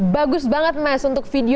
bagus banget mas untuk video